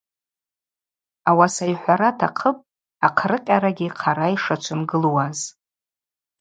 Ауаса йхӏвара атахъыпӏ ахърыкъьарагьи хъара йшачвымгылуаз.